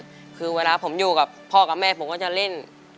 คือเวลาผมอยู่กับพ่อกับแม่ผมก็จะเล่น